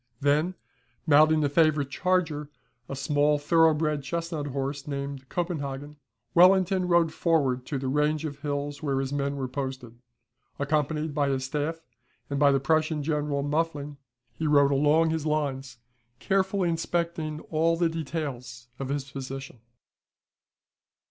Then, mounting a favourite charger, a small thorough bred chestnut horse, named "Copenhagen," Wellington rode forward to the range of hills where his men were posted. Accompanied by his staff and by the Prussian General Muffling, he rode along his lines, carefully inspecting all the details of his position.